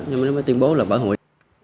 nhưng mà nó mới tuyên bố là vỡ hụi